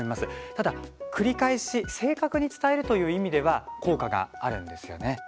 ただ、繰り返し、正確に伝えるという意味では効果があるんですよね。